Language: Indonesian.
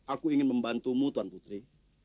aku ingin membantumu tuan putri